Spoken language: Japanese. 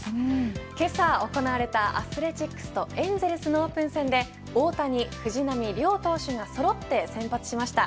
けさ行われたアスレチックスとエンゼルスのオープン戦で大谷、藤浪両投手がそろって先発しました。